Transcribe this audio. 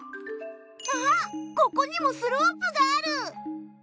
あっここにもスロープがある。